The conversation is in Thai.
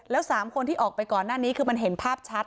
แล้ว๓คนที่ออกไปก่อนหน้านี้คือมันเห็นภาพชัด